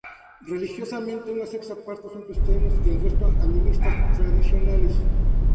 Religiosamente una sexta parte son cristianos y el resto animistas tradicionales.